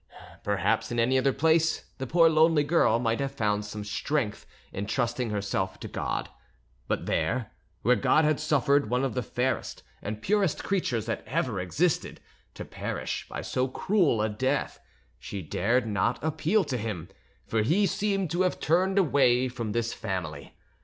Perhaps in any other place the poor lonely girl might have found some strength in trusting herself to God; but there, where God had suffered one of the fairest and purest creatures that ever existed to perish by so cruel a death, she dared not appeal to Him, for He seemed to have turned away from this family.